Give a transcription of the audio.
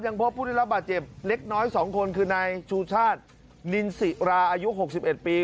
ยังพบผู้ได้รับบาดเจ็บเล็กน้อยสองคนคือในชูชาตินินสิราอายุหกสิบเอ็ดปี